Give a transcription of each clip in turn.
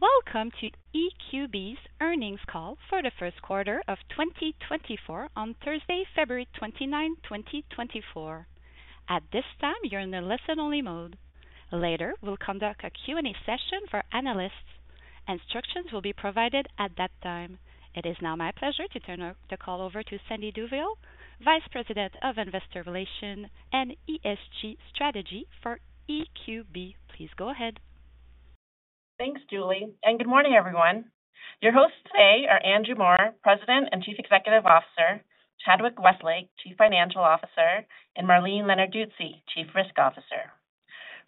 Welcome to EQB's earnings call for the first quarter of 2024 on Thursday, February 29, 2024. At this time, you're in a listen-only mode. Later, we'll conduct a Q&A session for analysts. Instructions will be provided at that time. It is now my pleasure to turn the call over to Sandie Daoust, Vice President of Investor Relations and ESG Strategy for EQB. Please go ahead. Thanks, Julie, and good morning, everyone. Your hosts today are Andrew Moor, President and Chief Executive Officer, Chadwick Westlake, Chief Financial Officer, and Marlene Lenarduzzi, Chief Risk Officer.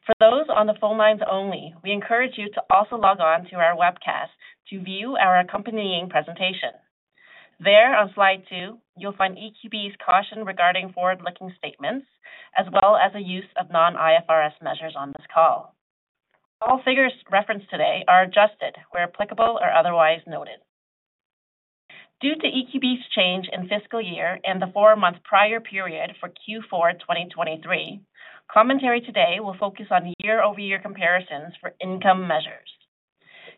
For those on the phone lines only, we encourage you to also log on to our webcast to view our accompanying presentation. There, on slide two, you'll find EQB's caution regarding forward-looking statements, as well as the use of non-IFRS measures on this call. All figures referenced today are adjusted where applicable or otherwise noted. Due to EQB's change in fiscal year and the four-month prior period for Q4 2023, commentary today will focus on year-over-year comparisons for income measures.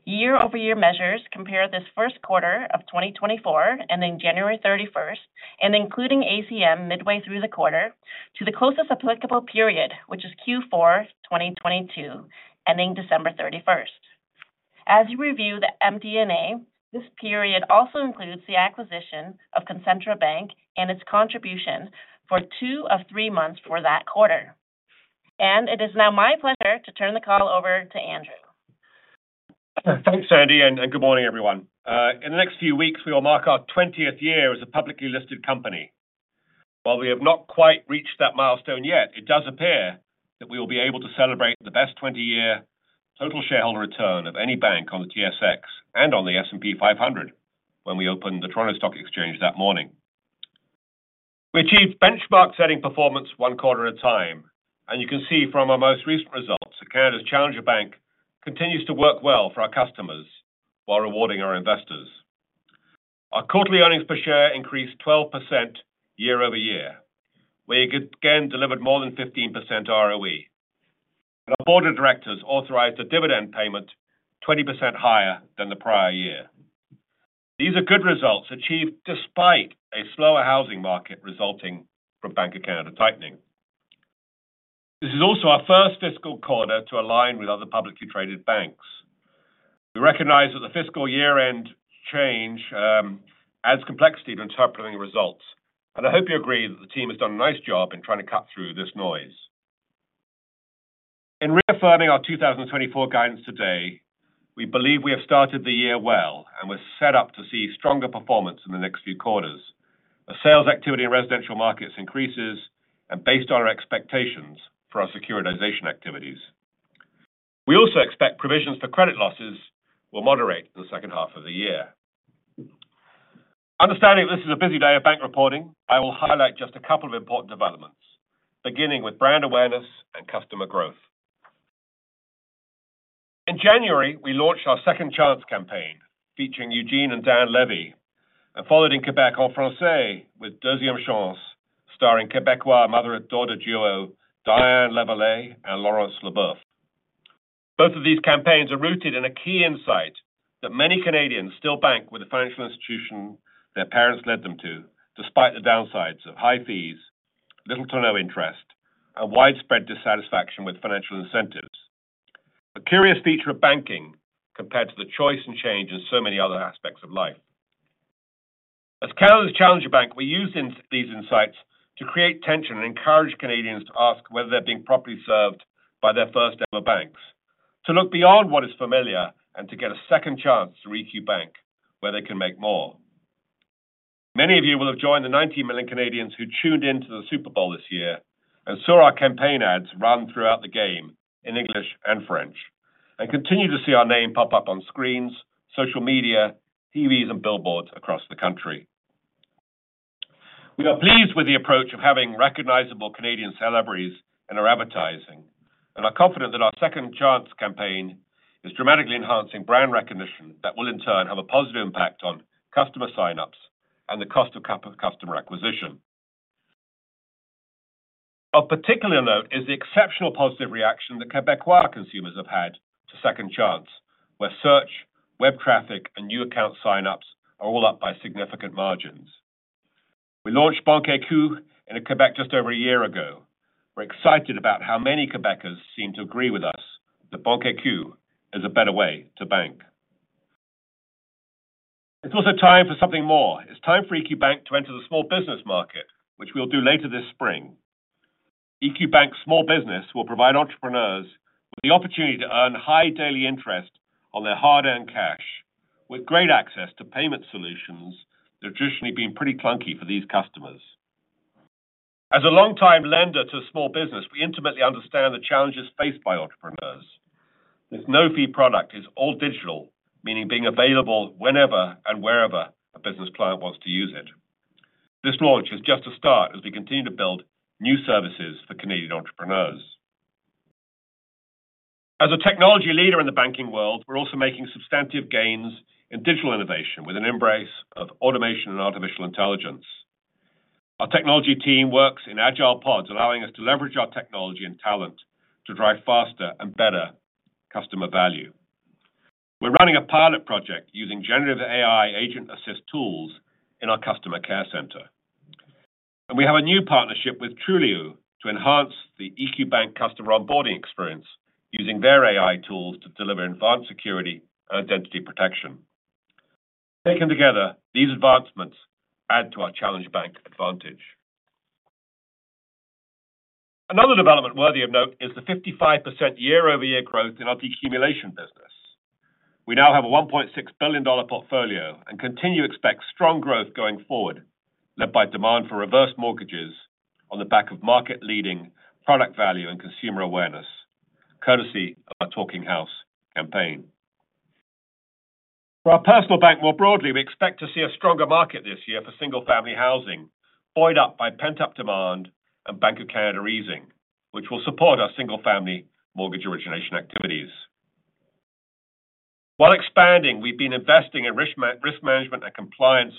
Year-over-year measures compare this first quarter of 2024 and then January 31, and including ACM midway through the quarter to the closest applicable period, which is Q4 2022, ending December 31. As you review the MD&A, this period also includes the acquisition of Concentra Bank and its contribution for 2 of 3 months for that quarter. It is now my pleasure to turn the call over to Andrew. Thanks, Sandie, and good morning, everyone. In the next few weeks, we will mark our 20th year as a publicly listed company. While we have not quite reached that milestone yet, it does appear that we will be able to celebrate the best 20-year total shareholder return of any bank on the TSX and on the S&P 500 when we opened the Toronto Stock Exchange that morning. We achieved benchmark-setting performance one quarter at a time, and you can see from our most recent results that Canada's Challenger Bank continues to work well for our customers while rewarding our investors. Our quarterly earnings per share increased 12% year-over-year. We again delivered more than 15% ROE. Our board of directors authorized a dividend payment 20% higher than the prior year. These are good results achieved despite a slower housing market resulting from Bank of Canada tightening. This is also our first fiscal quarter to align with other publicly traded banks. We recognize that the fiscal year-end change adds complexity to interpreting the results, and I hope you agree that the team has done a nice job in trying to cut through this noise. In reaffirming our 2024 guidance today, we believe we have started the year well and we're set up to see stronger performance in the next few quarters as sales activity in residential markets increases and based on our expectations for our securitization activities. We also expect provisions for credit losses will moderate in the second half of the year. Understanding this is a busy day of bank reporting, I will highlight just a couple of important developments, beginning with brand awareness and customer growth. In January, we launched our Second Chance campaign, featuring Eugene and Dan Levy, and followed in Québec en français with Deuxième Chance, starring Québécois mother and daughter duo, Diane Lavallée and Laurence Leboeuf. Both of these campaigns are rooted in a key insight that many Canadians still bank with the financial institution their parents led them to, despite the downsides of high fees, little to no interest, and widespread dissatisfaction with financial incentives. A curious feature of banking, compared to the choice and change in so many other aspects of life. As Canada's Challenger Bank, we use these insights to create tension and encourage Canadians to ask whether they're being properly served by their first-ever banks, to look beyond what is familiar and to get a second chance through EQ Bank, where they can make more. Many of you will have joined the 90 million Canadians who tuned in to the Super Bowl this year and saw our campaign ads run throughout the game in English and French, and continue to see our name pop up on screens, social media, TVs, and billboards across the country. We are pleased with the approach of having recognizable Canadian celebrities in our advertising and are confident that our Second Chance campaign is dramatically enhancing brand recognition that will in turn have a positive impact on customer sign-ups and the cost of customer acquisition. Of particular note is the exceptional positive reaction that Québécois consumers have had to Second Chance, where search, web traffic, and new account sign-ups are all up by significant margins. We launched Banque EQ in Quebec just over a year ago. We're excited about how many Québécois seem to agree with us that Banque EQ is a better way to bank. It's also time for something more. It's time for EQ Bank to enter the small business market, which we'll do later this spring. EQ Bank Small Business will provide entrepreneurs with the opportunity to earn high daily interest on their hard-earned cash, with great access to payment solutions that have traditionally been pretty clunky for these customers. As a long-time lender to small business, we intimately understand the challenges faced by entrepreneurs. This no-fee product is all digital, meaning being available whenever and wherever a business client wants to use it. This launch is just a start as we continue to build new services for Canadian entrepreneurs. As a technology leader in the banking world, we're also making substantive gains in digital innovation with an embrace of automation and artificial intelligence.... Our technology team works in agile pods, allowing us to leverage our technology and talent to drive faster and better customer value. We're running a pilot project using generative AI agent-assist tools in our customer care center. And we have a new partnership with Trulioo to enhance the EQ Bank customer onboarding experience, using their AI tools to deliver advanced security and identity protection. Taken together, these advancements add to our Challenger Bank advantage. Another development worthy of note is the 55% year-over-year growth in our decumulation business. We now have a 1.6 billion dollar portfolio and continue to expect strong growth going forward, led by demand for reverse mortgages on the back of market-leading product value and consumer awareness, courtesy of our Talking House campaign. For our personal bank, more broadly, we expect to see a stronger market this year for single-family housing, buoyed up by pent-up demand and Bank of Canada easing, which will support our single-family mortgage origination activities. While expanding, we've been investing in risk management and compliance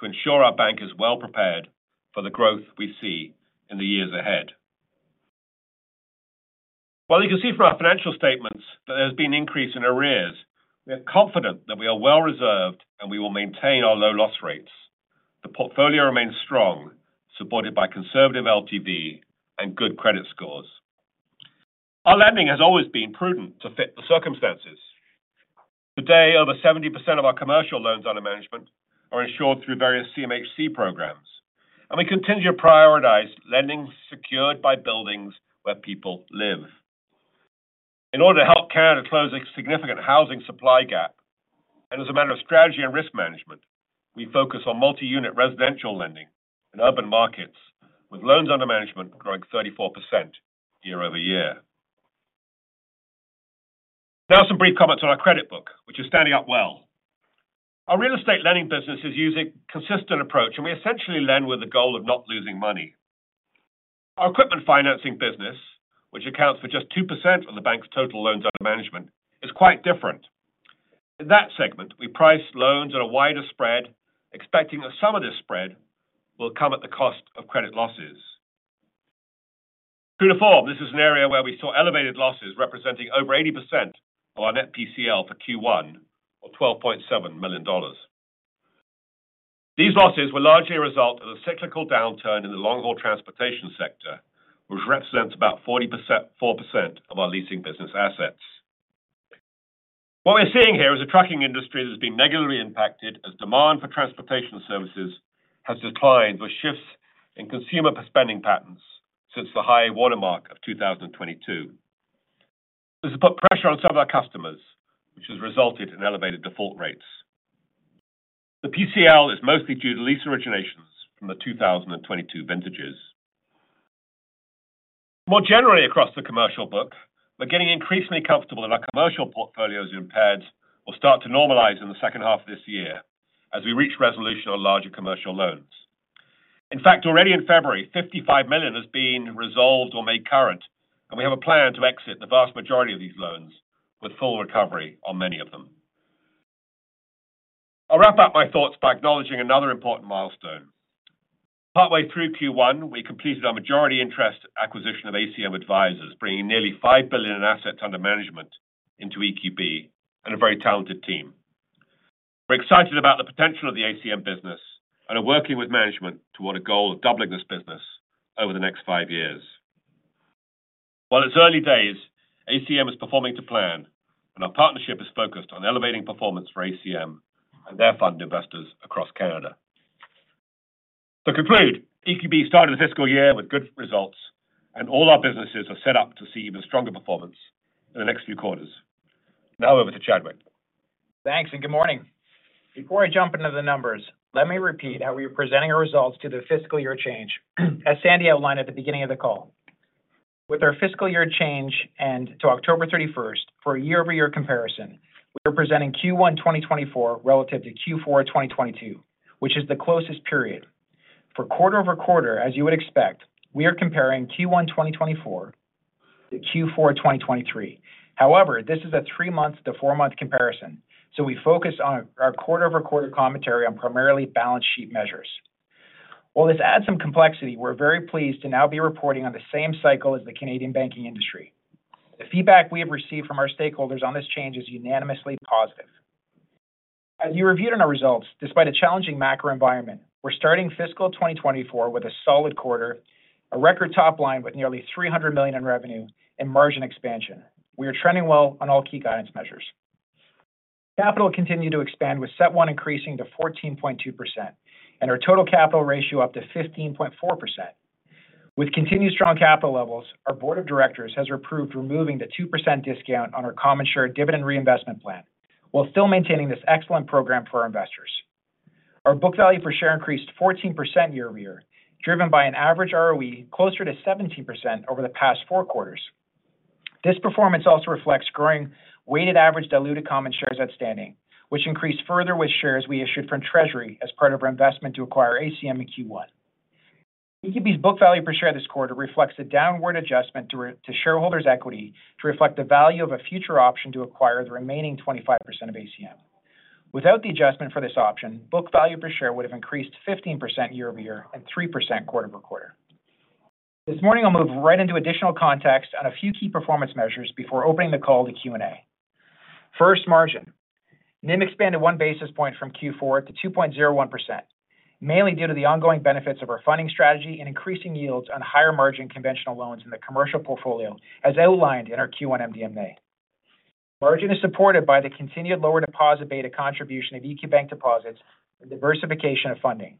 to ensure our bank is well prepared for the growth we see in the years ahead. While you can see from our financial statements that there's been an increase in arrears, we are confident that we are well reserved, and we will maintain our low loss rates. The portfolio remains strong, supported by conservative LTV and good credit scores. Our lending has always been prudent to fit the circumstances. Today, over 70% of our commercial loans under management are insured through various CMHC programs, and we continue to prioritize lending secured by buildings where people live. In order to help Canada close a significant housing supply gap, and as a matter of strategy and risk management, we focus on multi-unit residential lending in urban markets, with loans under management growing 34% year-over-year. Now, some brief comments on our credit book, which is standing up well. Our real estate lending business is using a consistent approach, and we essentially lend with the goal of not losing money. Our equipment financing business, which accounts for just 2% of the bank's total loans under management, is quite different. In that segment, we price loans at a wider spread, expecting that some of this spread will come at the cost of credit losses. True to form, this is an area where we saw elevated losses, representing over 80% of our net PCL for Q1 or 12.7 million dollars. These losses were largely a result of the cyclical downturn in the long-haul transportation sector, which represents about 40%-4% of our leasing business assets. What we're seeing here is a trucking industry that has been negatively impacted as demand for transportation services has declined, with shifts in consumer spending patterns since the high watermark of 2022. This has put pressure on some of our customers, which has resulted in elevated default rates. The PCL is mostly due to lease originations from the 2022 vintages. More generally across the commercial book, we're getting increasingly comfortable that our commercial portfolio's impairments will start to normalize in the second half of this year as we reach resolution on larger commercial loans. In fact, already in February, 55 million has been resolved or made current, and we have a plan to exit the vast majority of these loans with full recovery on many of them. I'll wrap up my thoughts by acknowledging another important milestone. Partway through Q1, we completed our majority interest acquisition of ACM Advisors, bringing nearly 5 billion in assets under management into EQB and a very talented team. We're excited about the potential of the ACM business and are working with management toward a goal of doubling this business over the next five years. While it's early days, ACM is performing to plan, and our partnership is focused on elevating performance for ACM and their fund investors across Canada. To conclude, EQB started its fiscal year with good results, and all our businesses are set up to see even stronger performance in the next few quarters. Now over to Chadwick. Thanks, and good morning. Before I jump into the numbers, let me repeat how we are presenting our results to the fiscal year change, as Sandy outlined at the beginning of the call. With our fiscal year change and to October 31, for a year-over-year comparison, we are presenting Q1 2024 relative to Q4 2022, which is the closest period. For quarter-over-quarter, as you would expect, we are comparing Q1 2024 to Q4 2023. However, this is a 3-month to 4-month comparison, so we focus on our quarter-over-quarter commentary on primarily balance sheet measures. While this adds some complexity, we're very pleased to now be reporting on the same cycle as the Canadian banking industry. The feedback we have received from our stakeholders on this change is unanimously positive. As you reviewed in our results, despite a challenging macro environment, we're starting fiscal 2024 with a solid quarter, a record top line with nearly 300 million in revenue and margin expansion. We are trending well on all key guidance measures. Capital continued to expand, with CET1 increasing to 14.2% and our total capital ratio up to 15.4%. With continued strong capital levels, our board of directors has approved removing the 2% discount on our common share dividend reinvestment plan, while still maintaining this excellent program for our investors. Our book value per share increased 14% year-over-year, driven by an average ROE closer to 17% over the past four quarters. This performance also reflects growing weighted average diluted common shares outstanding, which increased further with shares we issued from Treasury as part of our investment to acquire ACM in Q1. EQB's book value per share this quarter reflects the downward adjustment to shareholders' equity to reflect the value of a future option to acquire the remaining 25% of ACM. Without the adjustment for this option, book value per share would have increased 15% year-over-year and 3% quarter-over-quarter. This morning, I'll move right into additional context on a few key performance measures before opening the call to Q&A. First, margin. NIM expanded 1 basis point from Q4 to 2.01%, mainly due to the ongoing benefits of our funding strategy and increasing yields on higher margin conventional loans in the commercial portfolio, as outlined in our Q1 MD&A. Margin is supported by the continued lower deposit beta contribution of EQ Bank deposits and diversification of funding.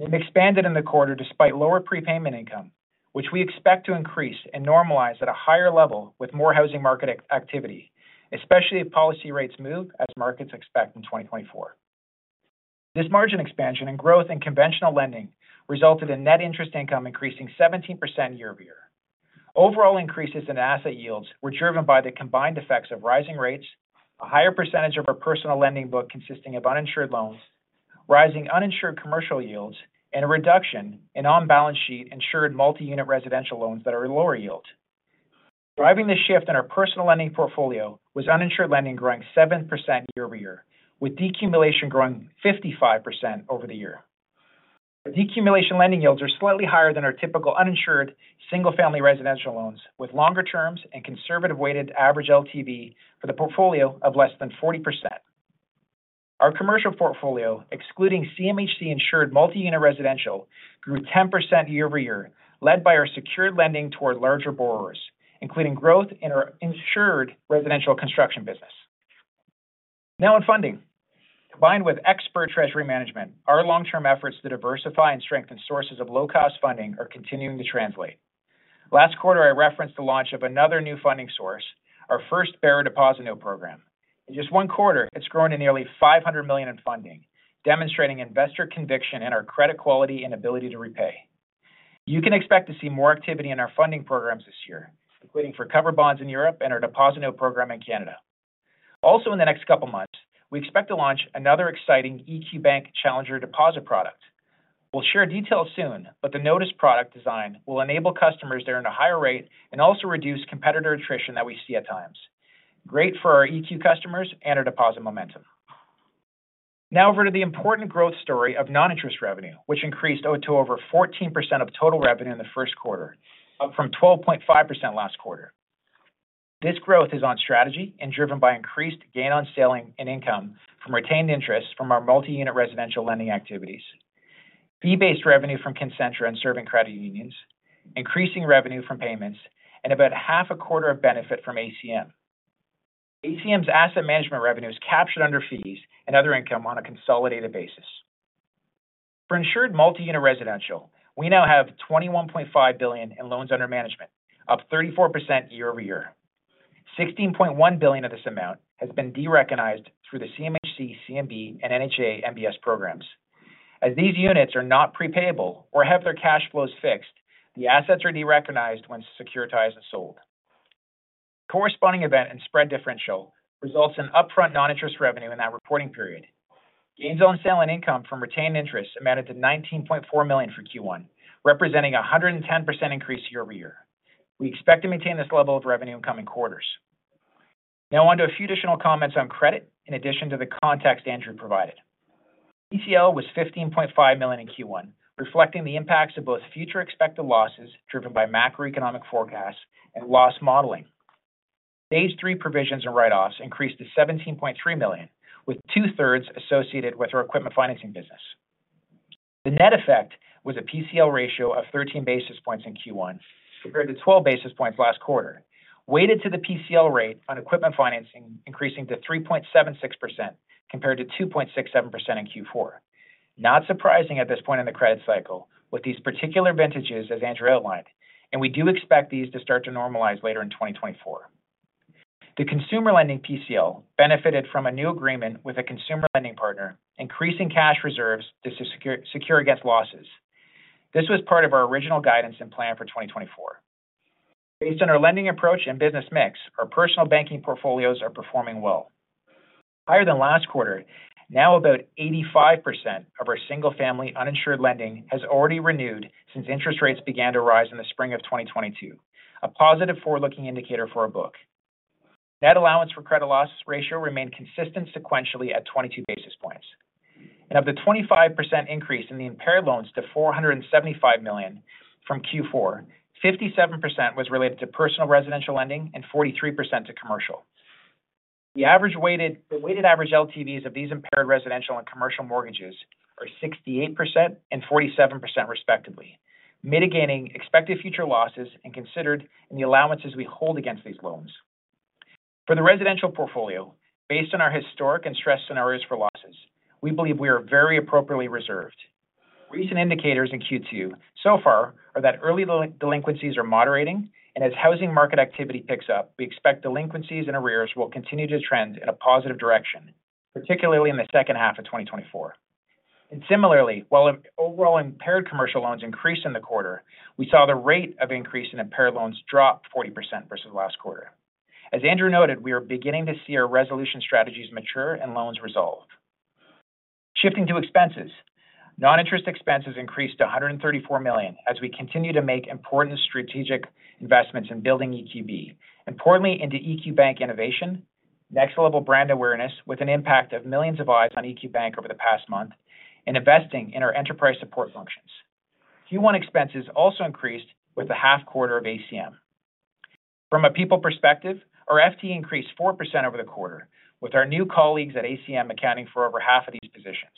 NIM expanded in the quarter despite lower prepayment income, which we expect to increase and normalize at a higher level with more housing market activity, especially if policy rates move as markets expect in 2024. This margin expansion and growth in conventional lending resulted in net interest income increasing 17% year-over-year. Overall increases in asset yields were driven by the combined effects of rising rates, a higher percentage of our personal lending book consisting of uninsured loans, rising uninsured commercial yields, and a reduction in on-balance sheet insured multi-unit residential loans that are lower yield. Driving this shift in our personal lending portfolio was uninsured lending growing 7% year-over-year, with decumulation growing 55% over the year. Decumulation lending yields are slightly higher than our typical uninsured single-family residential loans, with longer terms and conservative weighted average LTV for the portfolio of less than 40%. Our commercial portfolio, excluding CMHC-insured multi-unit residential, grew 10% year-over-year, led by our secured lending toward larger borrowers, including growth in our insured residential construction business. Now on funding. Combined with expert treasury management, our long-term efforts to diversify and strengthen sources of low-cost funding are continuing to translate. Last quarter, I referenced the launch of another new funding source, our first Bearer Deposit Note program. In just one quarter, it's grown to nearly 500 million in funding, demonstrating investor conviction in our credit quality and ability to repay. You can expect to see more activity in our funding programs this year, including for covered bonds in Europe and our deposit note program in Canada. Also, in the next couple of months, we expect to launch another exciting EQ Bank challenger deposit product. We'll share details soon, but the notice product design will enable customers that are in a higher rate and also reduce competitor attrition that we see at times. Great for our EQ customers and our deposit momentum. Now over to the important growth story of non-interest revenue, which increased to over 14% of total revenue in the first quarter, up from 12.5% last quarter. This growth is on strategy and driven by increased gain on selling and income from retained interest from our multi-unit residential lending activities. Fee-based revenue from Concentra and serving credit unions, increasing revenue from payments, and about half a quarter of benefit from ACM. ACM's asset management revenue is captured under fees and other income on a consolidated basis. For insured multi-unit residential, we now have 21.5 billion in loans under management, up 34% year-over-year. 16.1 billion of this amount has been derecognized through the CMHC, CMB, and NHA MBS programs. As these units are not prepayable or have their cash flows fixed, the assets are derecognized when securitized and sold. Corresponding event and spread differential results in upfront non-interest revenue in that reporting period. Gains on sale and income from retained interest amounted to 19.4 million for Q1, representing a 110% increase year-over-year. We expect to maintain this level of revenue in coming quarters. Now on to a few additional comments on credit in addition to the context Andrew provided. PCL was 15.5 million in Q1, reflecting the impacts of both future expected losses driven by macroeconomic forecasts and loss modeling. Phase three provisions and write-offs increased to 17.3 million, with two-thirds associated with our equipment financing business. The net effect was a PCL ratio of 13 basis points in Q1, compared to 12 basis points last quarter, weighted to the PCL rate on equipment financing, increasing to 3.76%, compared to 2.67% in Q4. Not surprising at this point in the credit cycle with these particular vintages, as Andrew outlined, and we do expect these to start to normalize later in 2024. The consumer lending PCL benefited from a new agreement with a consumer lending partner, increasing cash reserves to secure against losses. This was part of our original guidance and plan for 2024. Based on our lending approach and business mix, our personal banking portfolios are performing well. Higher than last quarter, now about 85% of our single-family uninsured lending has already renewed since interest rates began to rise in the spring of 2022, a positive forward-looking indicator for our book. Net allowance for credit loss ratio remained consistent sequentially at 22 basis points, and of the 25% increase in the impaired loans to 475 million from Q4, 57% was related to personal residential lending and 43% to commercial. The weighted average LTVs of these impaired residential and commercial mortgages are 68% and 47%, respectively, mitigating expected future losses and considered in the allowances we hold against these loans. For the residential portfolio, based on our historic and stress scenarios for losses, we believe we are very appropriately reserved. Recent indicators in Q2 so far are that early delinquencies are moderating, and as housing market activity picks up, we expect delinquencies and arrears will continue to trend in a positive direction, particularly in the second half of 2024. Similarly, while overall impaired commercial loans increased in the quarter, we saw the rate of increase in impaired loans drop 40% versus last quarter. As Andrew noted, we are beginning to see our resolution strategies mature and loans resolve. Shifting to expenses. Non-interest expenses increased to 134 million as we continue to make important strategic investments in building EQB, importantly into EQ Bank innovation, next level brand awareness, with an impact of millions of eyes on EQ Bank over the past month, and investing in our enterprise support functions. Q1 expenses also increased with a half quarter of ACM. From a people perspective, our FT increased 4% over the quarter, with our new colleagues at ACM accounting for over half of these positions.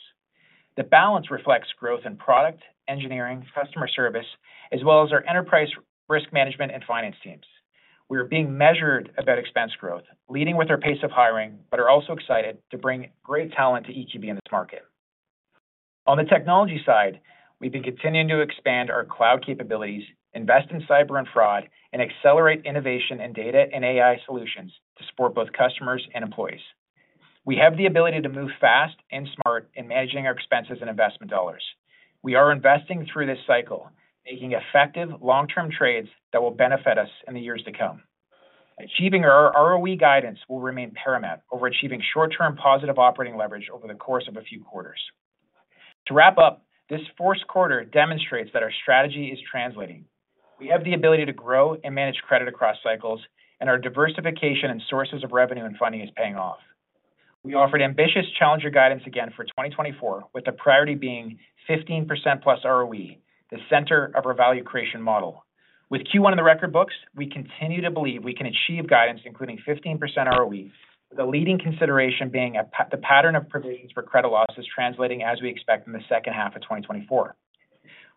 The balance reflects growth in product, engineering, customer service, as well as our enterprise risk management and finance teams. We are being measured about expense growth, leading with our pace of hiring, but are also excited to bring great talent to EQB in this market. On the technology side, we've been continuing to expand our cloud capabilities, invest in cyber and fraud, and accelerate innovation in data and AI solutions to support both customers and employees. We have the ability to move fast and smart in managing our expenses and investment dollars. We are investing through this cycle, making effective long-term trades that will benefit us in the years to come. Achieving our ROE guidance will remain paramount over achieving short-term positive operating leverage over the course of a few quarters. To wrap up, this fourth quarter demonstrates that our strategy is translating. We have the ability to grow and manage credit across cycles, and our diversification and sources of revenue and funding is paying off. We offered ambitious challenger guidance again for 2024, with the priority being 15%+ ROE, the center of our value creation model. With Q1 in the record books, we continue to believe we can achieve guidance, including 15% ROE, the leading consideration being the pattern of provisions for credit losses translating as we expect in the second half of 2024.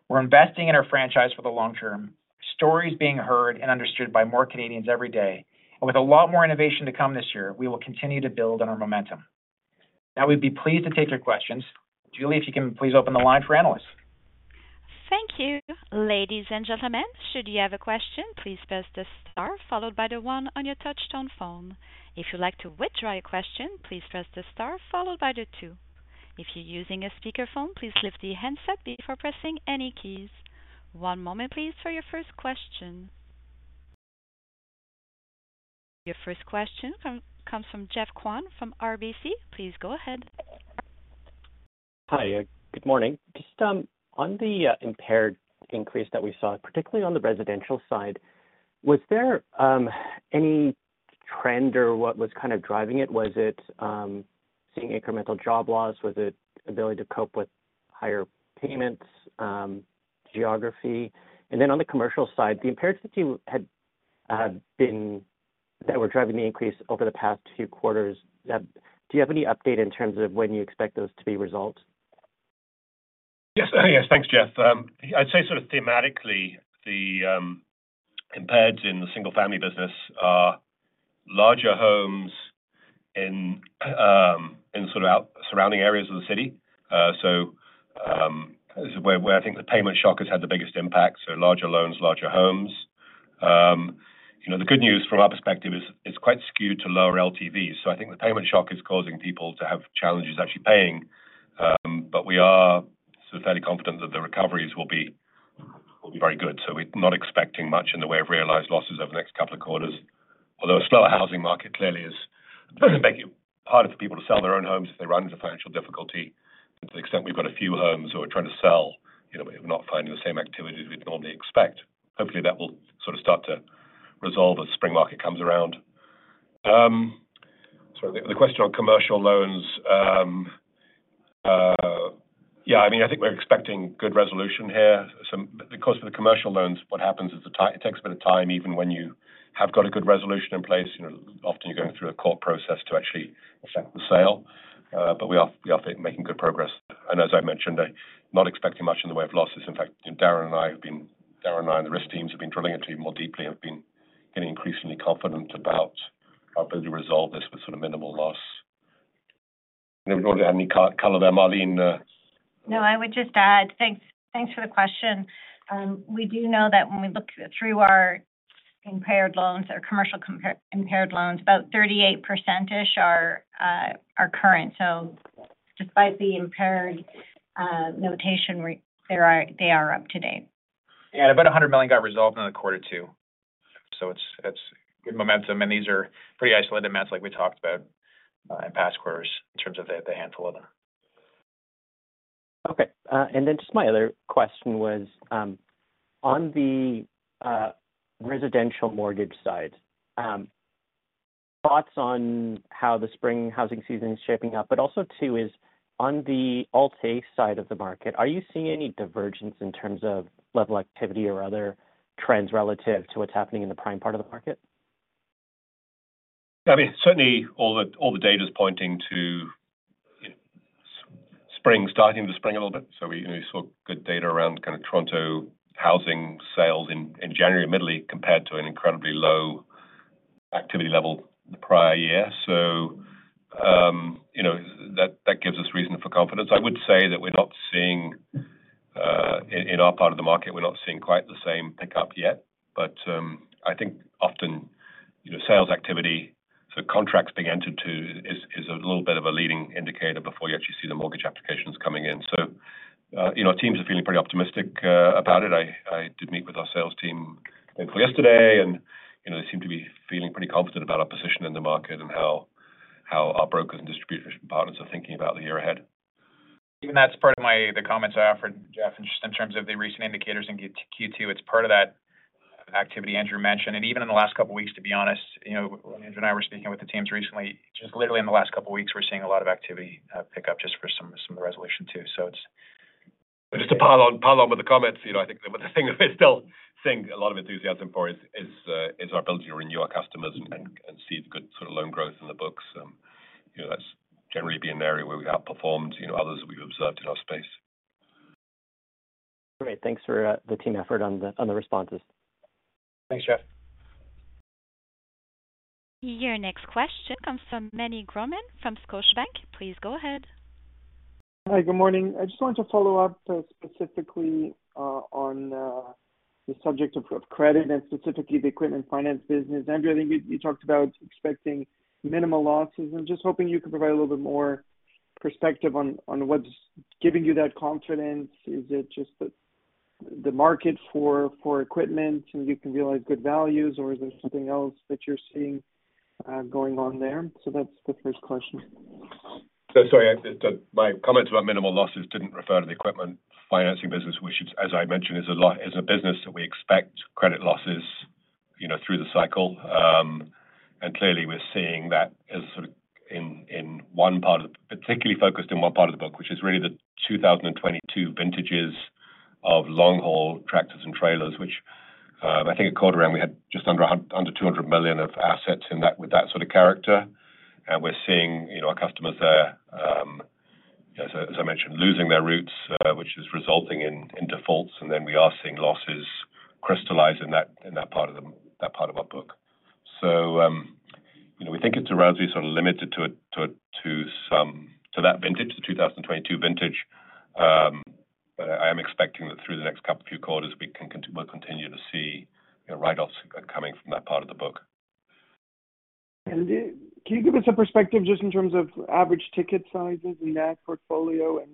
We're investing in our franchise for the long term, stories being heard and understood by more Canadians every day, and with a lot more innovation to come this year, we will continue to build on our momentum. Now, we'd be pleased to take your questions. Julie, if you can please open the line for analysts. Thank you. Ladies and gentlemen, should you have a question, please press the star followed by the one on your touchtone phone. If you'd like to withdraw your question, please press the star followed by the two. If you're using a speakerphone, please lift the handset before pressing any keys. One moment, please, for your first question. Your first question comes from Jeff Kwan from RBC. Please go ahead. Hi, good morning. Just on the impaired increase that we saw, particularly on the residential side, was there any trend or what was kind of driving it? Was it seeing incremental job loss? Was it ability to cope with higher payments, geography? And then on the commercial side, the impairments that you had that were driving the increase over the past two quarters, do you have any update in terms of when you expect those to be resolved? Yes. Yes, thanks, Jeff. I'd say sort of thematically, compared in the single-family business, larger homes in sort of out-surrounding areas of the city. So, where I think the payment shock has had the biggest impact, so larger loans, larger homes. You know, the good news from our perspective is it's quite skewed to lower LTVs, so I think the payment shock is causing people to have challenges actually paying, but we are sort of fairly confident that the recoveries will be very good. So we're not expecting much in the way of realized losses over the next couple of quarters. Although a slower housing market clearly is making it harder for people to sell their own homes if they run into financial difficulty. To the extent we've got a few homes who are trying to sell, you know, we're not finding the same activity as we'd normally expect. Hopefully, that will sort of start to resolve as spring market comes around. So the question on commercial loans, yeah, I mean, I think we're expecting good resolution here. Of course, for the commercial loans, what happens is it takes a bit of time, even when you have got a good resolution in place, you know, often you're going through a court process to actually effect the sale. But we are making good progress. And as I mentioned, I'm not expecting much in the way of losses. In fact, Darren and I and the risk teams have been drilling it even more deeply and have been getting increasingly confident about our ability to resolve this with sort of minimal loss. Anybody have any? Carla or Marlene? No, I would just add... Thanks, thanks for the question. We do know that when we look through our impaired loans or commercial impaired loans, about 38%-ish are are current. So despite the impaired notation, they are, they are up to date. Yeah, about 100 million got resolved in quarter two, so it's good momentum, and these are pretty isolated amounts like we talked about in past quarters in terms of the handful of them. Okay, and then just my other question was, on the residential mortgage side, thoughts on how the spring housing season is shaping up, but also, too, is on the Alt-A side of the market, are you seeing any divergence in terms of level activity or other trends relative to what's happening in the prime part of the market? I mean, certainly all the data is pointing to, you know, spring, starting in the spring a little bit. So we saw good data around kind of Toronto housing sales in January and mid-February, compared to an incredibly low activity level the prior year. So, you know, that gives us reason for confidence. I would say that we're not seeing in our part of the market quite the same pickup yet, but I think often, you know, sales activity, so contracts being entered into is a little bit of a leading indicator before you actually see the mortgage applications coming in. You know, our teams are feeling pretty optimistic about it. I did meet with our sales team thankfully yesterday, and, you know, they seem to be feeling pretty confident about our position in the market and how our brokers and distribution partners are thinking about the year ahead. Even that's part of the comments I offered, Jeff, in terms of the recent indicators in Q2. It's part of that activity Andrew mentioned, and even in the last couple of weeks, to be honest, you know, Andrew and I were speaking with the teams recently. Just literally in the last couple of weeks, we're seeing a lot of activity pick up just for some of the resolution, too. So it's- Just to pile on, pile on with the comments, you know, I think the thing that we still seeing a lot of enthusiasm for is, is, is our ability to renew our customers and, and, and see good sort of loan growth in the books. You know, that's generally been an area where we outperformed, you know, others we've observed in our space. Great, thanks for the team effort on the responses. Thanks, Jeff. Your next question comes from Manny Grauman from Scotiabank. Please go ahead. Hi, good morning. I just wanted to follow up, specifically, on the subject of credit and specifically the equipment finance business. Andrew, I think you talked about expecting minimal losses. I'm just hoping you could provide a little bit more perspective on what's giving you that confidence. Is it just the market for equipment, and you can realize good values, or is there something else that you're seeing going on there? So that's the first question. So sorry, my comments about minimal losses didn't refer to the equipment financing business, which is, as I mentioned, a business that we expect credit losses, you know, through the cycle. And clearly, we're seeing that as sort of in one part of the, particularly focused in one part of the book, which is really the 2022 vintages of long-haul tractors and trailers, which, I think at quarter end, we had just under 200 million of assets in that, with that sort of character. And we're seeing, you know, our customers there, as I mentioned, losing their routes, which is resulting in defaults, and then we are seeing losses crystallize in that part of our book. So, you know, we think it's relatively sort of limited to some to that vintage, the 2022 vintage. But I am expecting that through the next couple few quarters, we'll continue to see, you know, write-offs coming from that part of the book. And then can you give us a perspective just in terms of average ticket sizes in that portfolio, and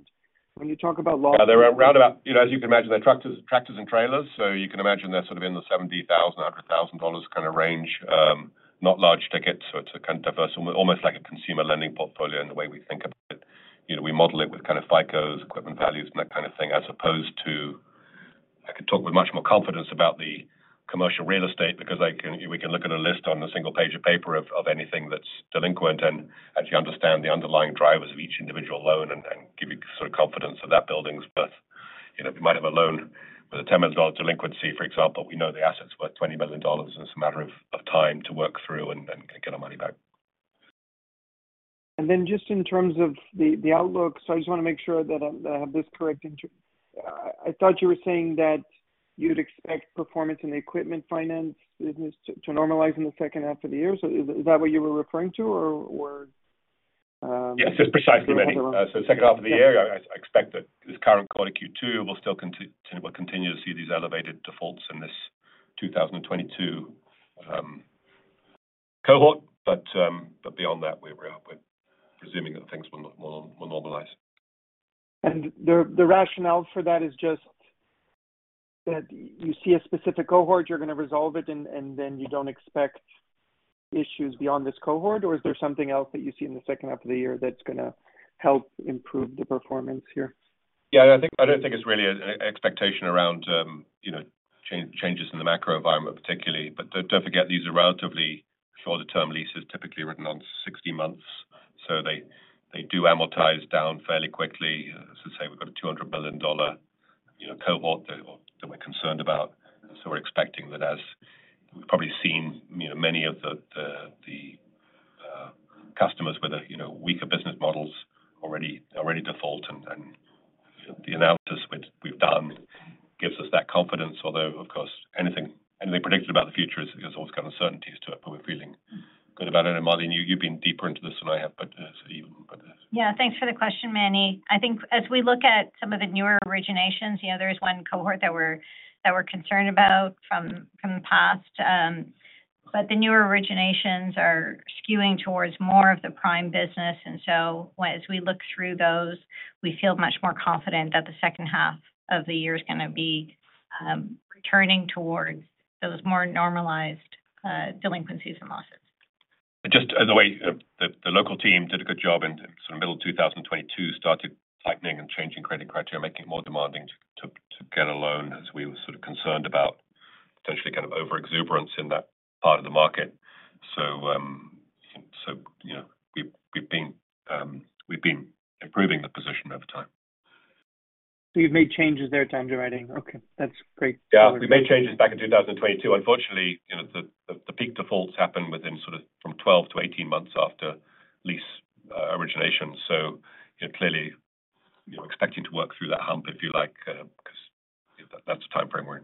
when you talk about losses? Yeah, they're around about... You know, as you can imagine, they're tractors, tractors and trailers, so you can imagine they're sort of in the 70,000-100,000 dollars kind of range. Not large tickets, so it's a kind of diverse, almost like a consumer lending portfolio in the way we think about it. You know, we model it with kind of FICOs, equipment values and that kind of thing, as opposed to I could talk with much more confidence about the commercial real estate because we can look at a list on a single page of paper of anything that's delinquent, and actually understand the underlying drivers of each individual loan and give you sort of confidence of that building's worth. You know, we might have a loan with a 10 million dollar delinquency, for example. We know the asset's worth 20 million dollars, and it's a matter of time to work through and get our money back. And then just in terms of the outlook, so I just wanna make sure that I have this correct, Andrew. I thought you were saying that you'd expect performance in the equipment finance business to normalize in the second half of the year. So is that what you were referring to, or Yes, just precisely, Manny. So second half of the- So second half of the year, I expect that this current quarter, Q2, will still continue to see these elevated defaults in this 2022 cohort. But, but beyond that, we're presuming that things will normalize. And the rationale for that is just that you see a specific cohort, you're gonna resolve it, and then you don't expect issues beyond this cohort, or is there something else that you see in the second half of the year that's gonna help improve the performance here? Yeah, I think, I don't think it's really an expectation around, you know, changes in the macro environment, particularly. But don't, don't forget, these are relatively shorter-term leases, typically written on 60 months, so they, they do amortize down fairly quickly. As I say, we've got a 200 million dollar, you know, cohort that, that we're concerned about. So we're expecting that as we've probably seen, you know, many of the customers with a, you know, weaker business models already, already default. And the analysis which we've done gives us that confidence. Although, of course, anything predicted about the future is, there's always kind of uncertainties to it, but we're feeling good about it. And Marlene, you, you've been deeper into this than I have, but, so you can... Yeah, thanks for the question, Manny. I think as we look at some of the newer originations, you know, there's one cohort that we're concerned about from the past. But the newer originations are skewing towards more of the prime business. And so as we look through those, we feel much more confident that the second half of the year is gonna be returning towards those more normalized delinquencies and losses. Just as a way, the local team did a good job in sort of middle 2022, started tightening and changing credit criteria, making it more demanding to get a loan, as we were sort of concerned about potentially kind of overexuberance in that part of the market. So, you know, we've been improving the position over time. So you've made changes there to underwriting. Okay, that's great. Yeah, we made changes back in 2022. Unfortunately, you know, the peak defaults happened within sort of from 12 to 18 months after lease origination. So, you know, clearly, we're expecting to work through that hump, if you like, because, you know, that's the time frame we're in.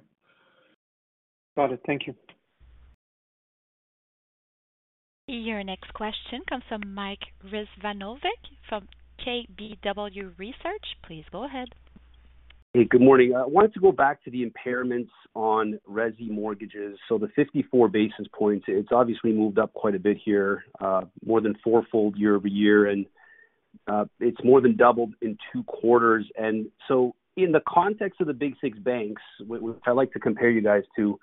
Got it. Thank you. Your next question comes from Mike Rizvanovic from KBW Research. Please go ahead. Hey, good morning. I wanted to go back to the impairments on resi mortgages. So the 54 basis points, it's obviously moved up quite a bit here, more than fourfold year-over-year, and, it's more than doubled in two quarters. And so in the context of the big six banks, which I like to compare you guys to,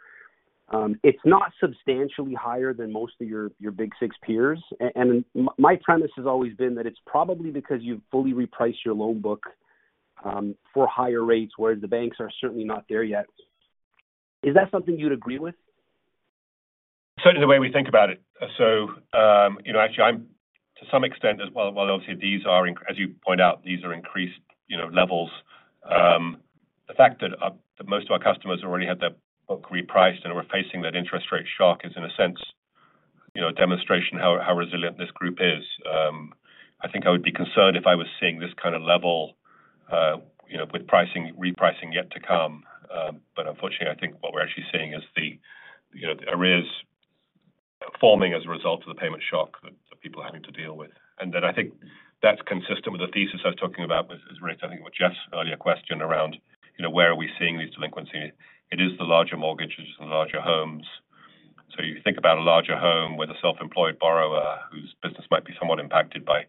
it's not substantially higher than most of your, your big six peers. And my premise has always been that it's probably because you've fully repriced your loan book, for higher rates, whereas the banks are certainly not there yet. Is that something you'd agree with? Certainly the way we think about it. So, you know, actually, I'm to some extent as well, while obviously these are, as you point out, these are increased, you know, levels. The fact that most of our customers already had their book repriced and were facing that interest rate shock is, in a sense, you know, a demonstration how resilient this group is. I think I would be concerned if I was seeing this kind of level, you know, with pricing, repricing yet to come. But unfortunately, I think what we're actually seeing is the, you know, the arrears forming as a result of the payment shock that the people are having to deal with. And then I think that's consistent with the thesis I was talking about with... is raised, I think, with Jeff's earlier question around, you know, where are we seeing these delinquencies? It is the larger mortgages and the larger homes. So you think about a larger home with a self-employed borrower whose business might be somewhat impacted by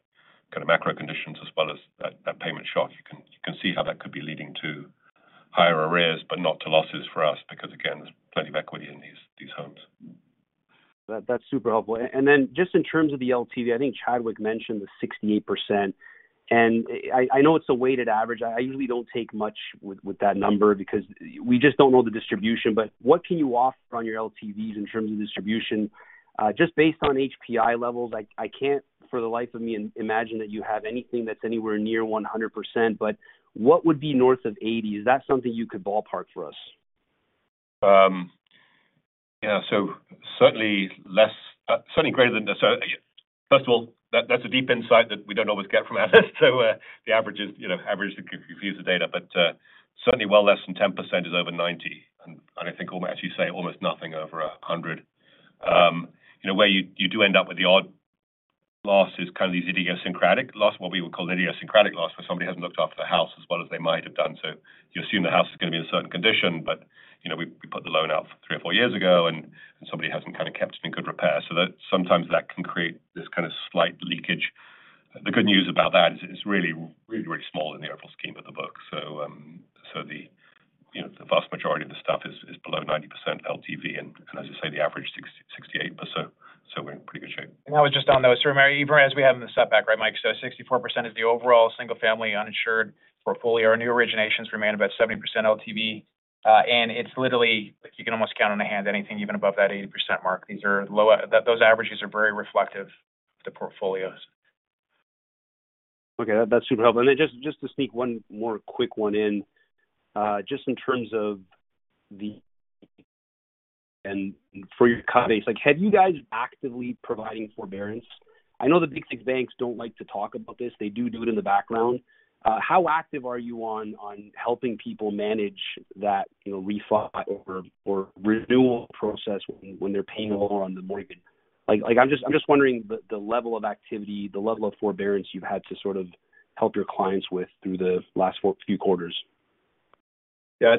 kind of macro conditions as well as that payment shock. You can see how that could be leading to higher arrears, but not to losses for us because, again, there's plenty of equity in these homes. That, that's super helpful. And then just in terms of the LTV, I think Chadwick mentioned the 68%, and I know it's a weighted average. I usually don't take much with that number because we just don't know the distribution. But what can you offer on your LTVs in terms of distribution? Just based on HPI levels, I can't for the life of me imagine that you have anything that's anywhere near 100%, but what would be north of 80? Is that something you could ballpark for us? Yeah. So certainly less, certainly greater than the... So first of all, that's a deep insight that we don't always get from us. So, the average is, you know, average confuse the data, but, certainly well, less than 10% is over 90, and I think almost you say almost nothing over 100. You know, where you do end up with the odd loss is kind of these idiosyncratic loss, what we would call idiosyncratic loss, where somebody hasn't looked after the house as well as they might have done. So you assume the house is going to be in a certain condition, but, you know, we put the loan out 3 or 4 years ago, and somebody hasn't kind of kept it in good repair. So that sometimes that can create this kind of slight leakage. The good news about that is it's really, really very small in the overall scheme of the book. So, you know, the vast majority of the stuff is below 90% LTV, and as you say, the average 68%. So we're in pretty good shape. I was just on those, remember, as we have in the setback, right, Mike? So 64% is the overall single-family uninsured portfolio. Our new originations remain about 70% LTV, and it's literally like you can almost count on a hand anything even above that 80% mark. Those averages are very reflective of the portfolios. Okay, that's super helpful. And then just to sneak one more quick one in. Just in terms of demand for your base, like, have you guys actively providing forbearance? I know the big six banks don't like to talk about this. They do it in the background. How active are you on helping people manage that, you know, refi or renewal process when they're paying lower on the mortgage? Like, I'm just wondering the level of activity, the level of forbearance you've had to sort of help your clients with through the last few quarters. Yeah,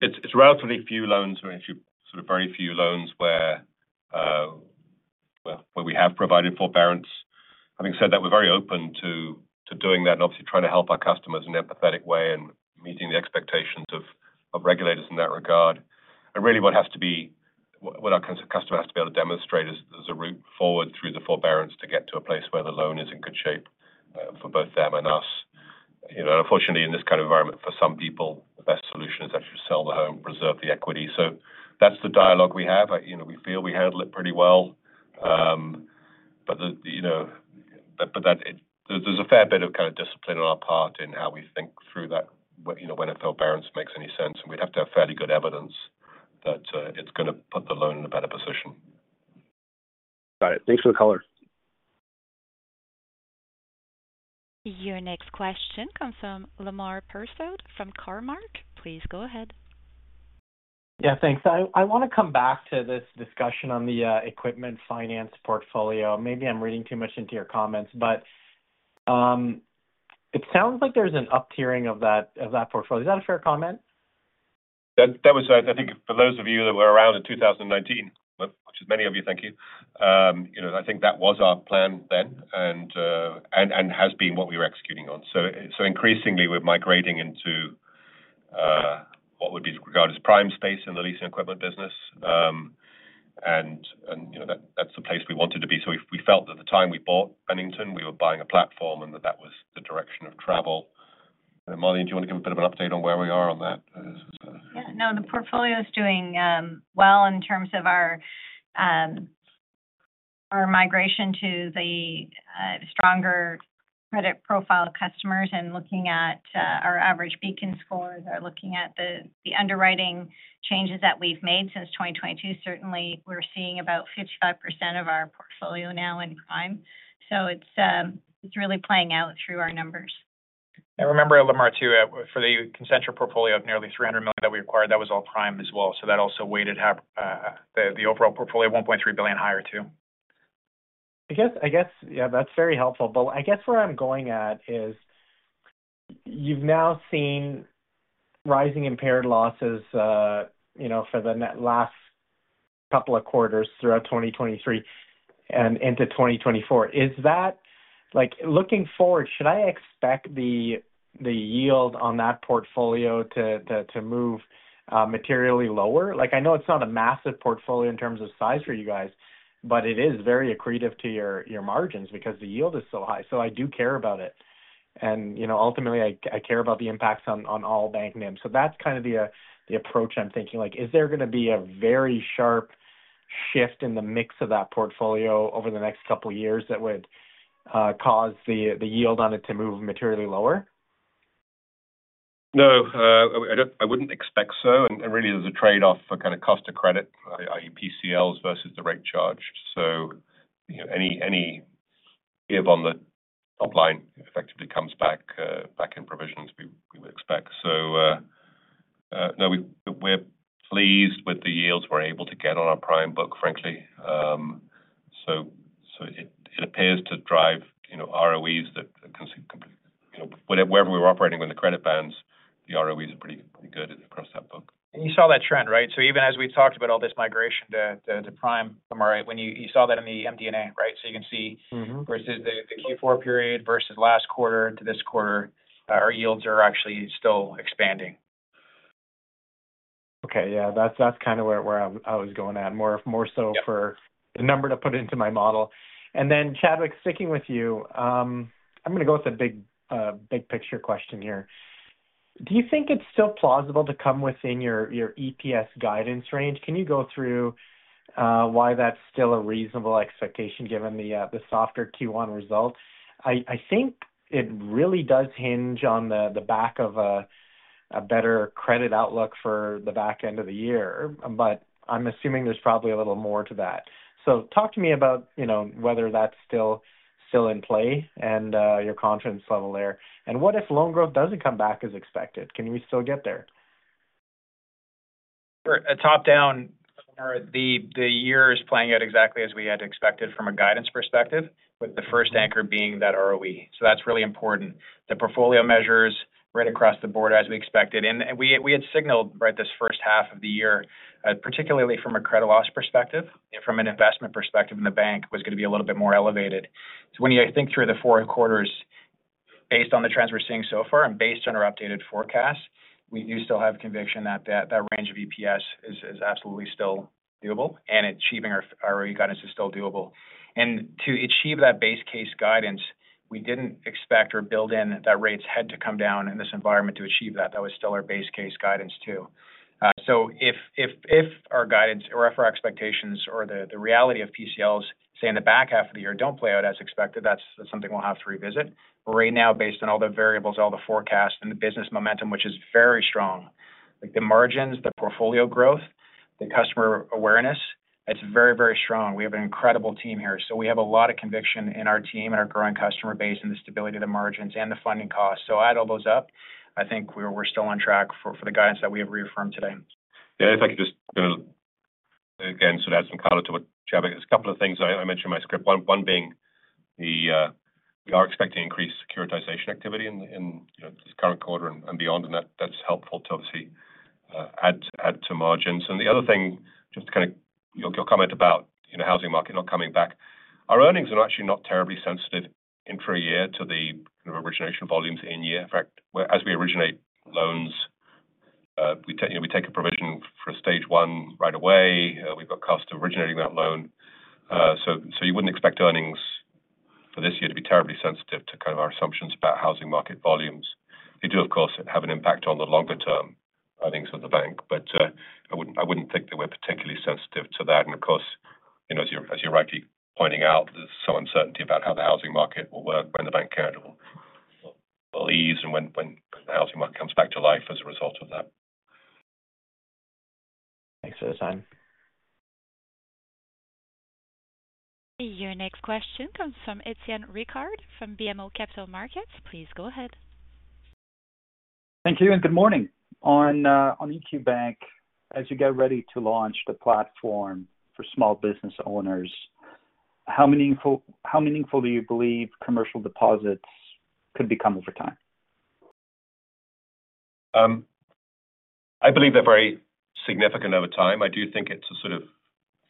it's relatively few loans or a few, sort of very few loans where we have provided forbearance. Having said that, we're very open to doing that and obviously trying to help our customers in an empathetic way and meeting the expectations of regulators in that regard. And really, what has to be, what our customer has to be able to demonstrate is there's a route forward through the forbearance to get to a place where the loan is in good shape, for both them and us. You know, unfortunately, in this kind of environment, for some people, the best solution is actually sell the home, preserve the equity. So that's the dialogue we have. You know, we feel we handled it pretty well. But, you know, there's a fair bit of kind of discipline on our part in how we think through that. But, you know, when a forbearance makes any sense, and we'd have to have fairly good evidence that it's gonna put the loan in a better position. Got it. Thanks for the color. Your next question comes from Lemar Persaud, from Cormark. Please go ahead. Yeah, thanks. I, I wanna come back to this discussion on the equipment finance portfolio. Maybe I'm reading too much into your comments, but it sounds like there's an up-tiering of that, of that portfolio. Is that a fair comment? That was, I think for those of you that were around in 2019, which is many of you, thank you. You know, I think that was our plan then, and has been what we were executing on. So increasingly, we're migrating into what would be regarded as prime space in the leasing equipment business. And you know, that, that's the place we wanted to be. So we felt that the time we bought Bennington, we were buying a platform and that was the direction of travel. Molly, do you want to give a bit of an update on where we are on that? Yeah. No, the portfolio is doing well in terms of our migration to the stronger credit profile customers and looking at our average Beacon scores or looking at the underwriting changes that we've made since 2022. Certainly, we're seeing about 55% of our portfolio now in prime, so it's really playing out through our numbers. I remember, Lemar, too, for the Concentra portfolio of nearly 300 million that we acquired, that was all prime as well. So that also weighted the overall portfolio of 1.3 billion higher, too. ... I guess, I guess, yeah, that's very helpful. But I guess where I'm going at is, you've now seen rising impaired losses, you know, for the last couple of quarters throughout 2023 and into 2024. Is that like, looking forward, should I expect the yield on that portfolio to move materially lower? Like, I know it's not a massive portfolio in terms of size for you guys, but it is very accretive to your margins because the yield is so high. So I do care about it. And, you know, ultimately, I care about the impacts on all bank NIMs. So that's kind of the approach I'm thinking, like, is there gonna be a very sharp shift in the mix of that portfolio over the next couple of years that would cause the yield on it to move materially lower? No, I don't. I wouldn't expect so. And really, there's a trade-off for kind of cost of credit, i.e., PCLs versus the rate charge. So, you know, any give on the top line effectively comes back, back in provisions, we would expect. So, no, we're pleased with the yields we're able to get on our prime book, frankly. So it appears to drive, you know, ROEs that wherever we're operating within the credit bands, the ROEs are pretty good across that book. And you saw that trend, right? So even as we talked about all this migration to Prime from Alt-A, right? When you saw that in the MD&A, right? So you can see- Mm-hmm. versus the Q4 period versus last quarter to this quarter, our yields are actually still expanding. Okay, yeah. That's kind of where I was going at, more so for- Yeah -the number to put into my model. And then, Chadwick, sticking with you, I'm gonna go with a big, big picture question here. Do you think it's still plausible to come within your, your EPS guidance range? Can you go through, why that's still a reasonable expectation, given the, the softer Q1 results? I, I think it really does hinge on the, the back of a, a better credit outlook for the back end of the year, but I'm assuming there's probably a little more to that. So talk to me about, you know, whether that's still, still in play and, your confidence level there. And what if loan growth doesn't come back as expected? Can we still get there? Sure. A top-down or the, the year is playing out exactly as we had expected from a guidance perspective, with the first anchor being that ROE. So that's really important. The portfolio measures right across the board as we expected, and we had signaled, right, this first half of the year, particularly from a credit loss perspective and from an investment perspective, and the bank was gonna be a little bit more elevated. So when you think through the four quarters based on the trends we're seeing so far and based on our updated forecast, we do still have conviction that that range of EPS is absolutely still doable and achieving our guidance is still doable. And to achieve that base case guidance, we didn't expect or build in that rates had to come down in this environment to achieve that. That was still our base case guidance, too. So if our guidance or if our expectations or the reality of PCLs, say, in the back half of the year, don't play out as expected, that's something we'll have to revisit. But right now, based on all the variables, all the forecasts, and the business momentum, which is very strong, like the margins, the portfolio growth, the customer awareness, it's very, very strong. We have an incredible team here. So we have a lot of conviction in our team and our growing customer base and the stability of the margins and the funding costs. So add all those up, I think we're still on track for the guidance that we have reaffirmed today. Yeah, if I could just again so to add some color to what Chadwick... There's a couple of things I mentioned in my script. One being the we are expecting increased securitization activity in you know this current quarter and beyond, and that that's helpful to obviously add to margins. And the other thing, just to kind of your comment about you know housing market not coming back. Our earnings are actually not terribly sensitive intra-year to the kind of origination volumes in year. In fact, whereas we originate loans we take you know we take a provision for Stage One right away. We've got cost of originating that loan. So you wouldn't expect earnings for this year to be terribly sensitive to kind of our assumptions about housing market volumes. They do, of course, have an impact on the longer term, I think, so the bank, but I wouldn't, I wouldn't think that we're particularly sensitive to that. And of course, you know, as you're, as you're rightly pointing out, there's some uncertainty about how the housing market will work when the Bank of Canada will ease and when, when the housing market comes back to life as a result of that. Thanks for the time. Your next question comes from Etienne Ricard, from BMO Capital Markets. Please go ahead. Thank you and good morning. On, on EQ Bank, as you get ready to launch the platform for small business owners, how meaningful, how meaningful do you believe commercial deposits could become over time? I believe they're very significant over time. I do think it's a sort of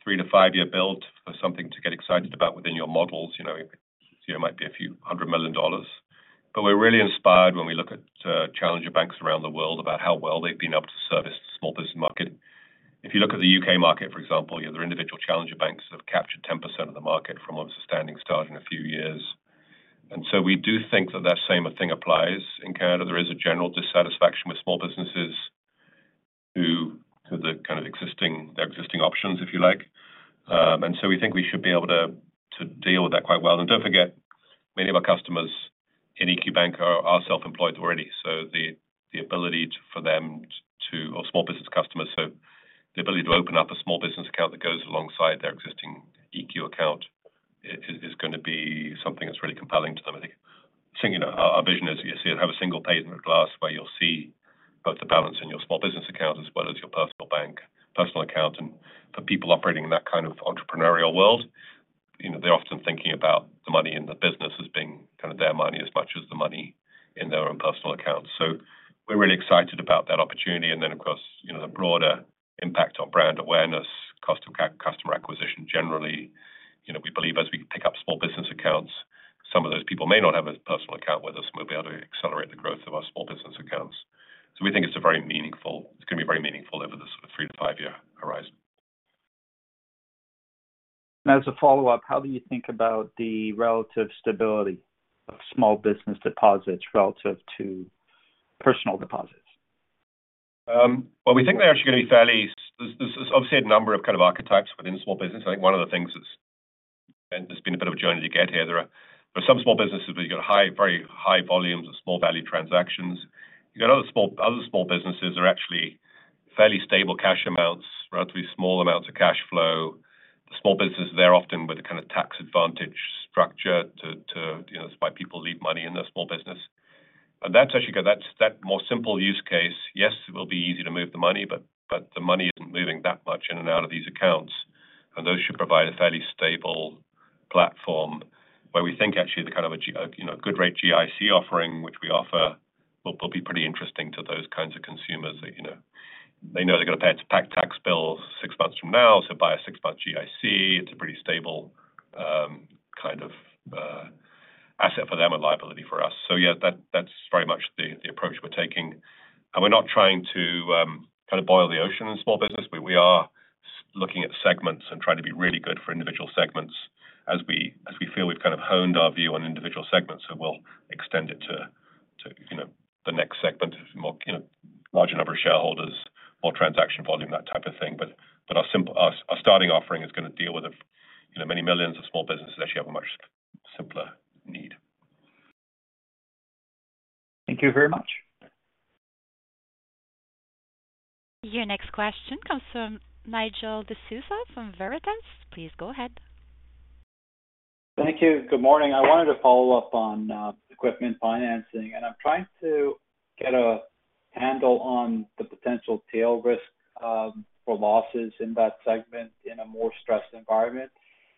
3-5-year build for something to get excited about within your models. You know, it, you know, might be a few hundred million CAD. But we're really inspired when we look at challenger banks around the world about how well they've been able to service the small business market. If you look at the UK market, for example, you know, their individual challenger banks have captured 10% of the market from what was a standing start in a few years. And so we do think that that same thing applies in Canada. There is a general dissatisfaction with small businesses to the kind of existing, their existing options, if you like. And so we think we should be able to, to deal with that quite well. And don't forget, many of our customers in EQ Bank are self-employed already, so the ability for them to... or small business customers, so the ability to open up a small business account that goes alongside their existing EQ account is gonna be something that's really compelling to them as well.... Thinking of our vision is, you see it, have a single pane of glass where you'll see both the balance in your small business account as well as your personal bank, personal account. And for people operating in that kind of entrepreneurial world, you know, they're often thinking about the money in the business as being kind of their money, as much as the money in their own personal accounts. So we're really excited about that opportunity. And then, of course, you know, the broader impact on brand awareness, cost of customer acquisition, generally. You know, we believe as we pick up small business accounts, some of those people may not have a personal account with us. We'll be able to accelerate the growth of our small business accounts. So we think it's a very meaningful—it's gonna be very meaningful over this 3-5-year horizon. As a follow-up, how do you think about the relative stability of small business deposits relative to personal deposits? Well, we think they're actually going to be fairly-- There's obviously a number of kind of archetypes within small business. I think one of the things that's, and it's been a bit of a journey to get here. There are some small businesses where you've got high, very high volumes of small value transactions. You've got other small businesses are actually fairly stable cash amounts, relatively small amounts of cash flow. The small businesses, they're often with a kind of tax advantage structure to, you know, that's why people leave money in their small business. And that's actually got... That's more simple use case. Yes, it will be easy to move the money, but, but the money isn't moving that much in and out of these accounts, and those should provide a fairly stable platform, where we think actually the kind of a you know, good rate GIC offering, which we offer, will, will be pretty interesting to those kinds of consumers that, you know. They know they're going to pay a tax, tax bill six months from now, so buy a six-month GIC. It's a pretty stable, kind of, asset for them and liability for us. So yeah, that, that's very much the, the approach we're taking. And we're not trying to kind of boil the ocean in small business, but we are looking at segments and trying to be really good for individual segments as we feel we've kind of honed our view on individual segments, so we'll extend it to you know the next segment of more you know larger number of shareholders, more transaction volume, that type of thing. But our starting offering is gonna deal with the you know many millions of small businesses that actually have a much simpler need. Thank you very much. Your next question comes from Nigel D'Souza from Veritas. Please go ahead. Thank you. Good morning. I wanted to follow up on equipment financing, and I'm trying to get a handle on the potential tail risk for losses in that segment in a more stressed environment.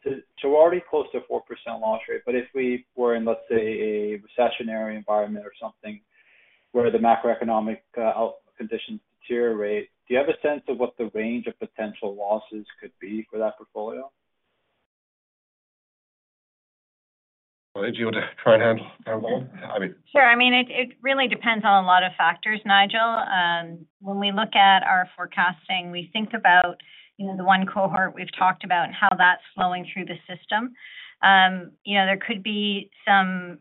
So, we're already close to 4% loss rate, but if we were in, let's say, a recessionary environment or something, where the macroeconomic conditions deteriorate, do you have a sense of what the range of potential losses could be for that portfolio? Well, do you want to try and handle that one? I mean- Sure. I mean, it really depends on a lot of factors, Nigel. When we look at our forecasting, we think about, you know, the one cohort we've talked about and how that's flowing through the system. You know, there could be some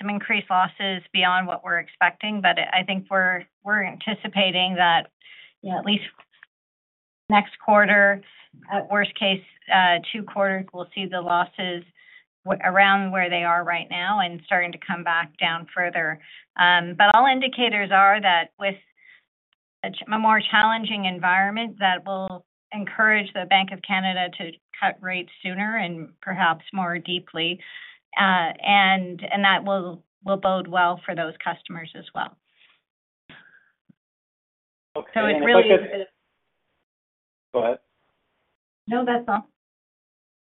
increased losses beyond what we're expecting, but I think we're anticipating that, you know, at least next quarter, at worst case, two quarters, we'll see the losses around where they are right now and starting to come back down further. But all indicators are that with a more challenging environment, that will encourage the Bank of Canada to cut rates sooner and perhaps more deeply, and that will bode well for those customers as well. Okay. So it really is- Go ahead. No, that's all.